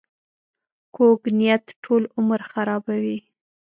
کوږ نیت ټول عمر خرابوي